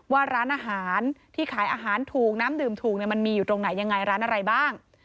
ว่าร้านอาหารที่ขายอาหารถูกน้ำดื่มถูกมันมีอยู่ตรงไหนยังไงร้านอะไรบ้าง